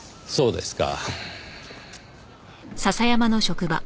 そうですか。